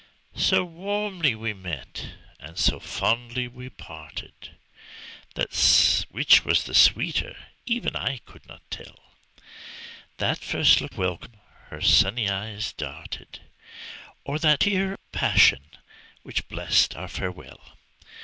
So warmly we met and so fondly we parted, That which was the sweeter even I could not tell, That first look of welcome her sunny eyes darted, Or that tear of passion, which blest our farewell.